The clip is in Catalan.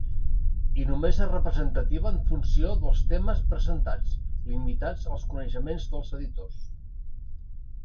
I només és representativa en funció dels temes presentats, limitats als coneixements dels editors.